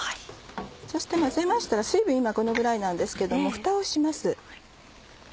そして混ぜましたら水分今このぐらいなんですけどもフタをします。